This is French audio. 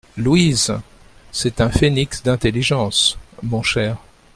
Louise ! c’est un phénix d’intelligence, mon cher.